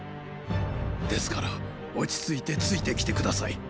ですから落ちついてついて来て下さい。